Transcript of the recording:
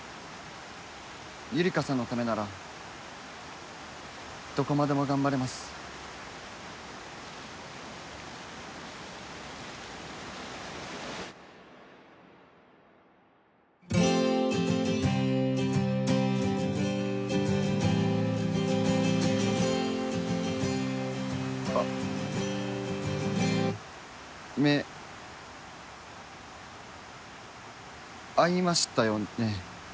ゆりかさんのためならどこまでも頑張れますあ目合いましたよね？